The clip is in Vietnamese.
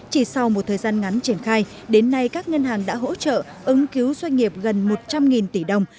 chỉ sau một thời gian ngắn triển khai đến nay các ngân hàng đã hỗ trợ ứng cứu doanh nghiệp gần một trăm linh tỷ đồng